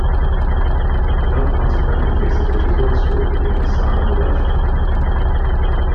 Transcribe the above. Pelle consequently faces ridicule at school for being the son of a lecher.